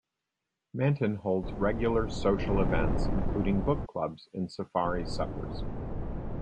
Manton holds regular social events including book clubs and safari suppers.